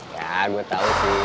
ya gue tahu sih